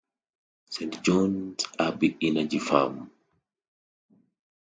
Saint John's Abbey Energy Farm.